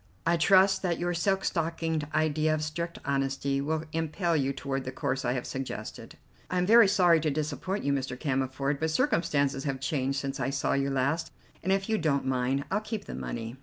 I trust that your silk stockinged idea of strict honesty will impel you toward the course I have suggested." "I am very sorry to disappoint you, Mr. Cammerford, but circumstances have changed since I saw you last, and, if you don't mind, I'll keep the money."